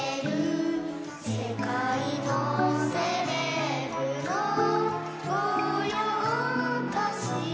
「世界のセレブの御用達」